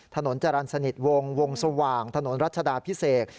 ถนนจรรย์สนิทวงวงสว่างถนนรัชดาพิเศษ